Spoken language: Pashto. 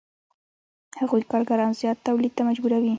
هغوی کارګران زیات تولید ته مجبوروي